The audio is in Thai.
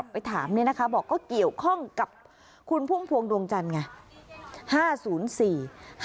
ไปถามเนี่ยนะคะบอกก็เกี่ยวข้องกับคุณพุ่มพวงดวงจันทร์ไง